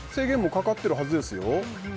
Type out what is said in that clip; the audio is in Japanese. かかってるはずですよ。